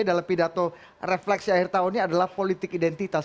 dalam pidato refleksi akhir tahunnya adalah politik identitas